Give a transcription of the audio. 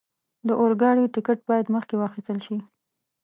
د اورګاډي ټکټ باید مخکې واخستل شي.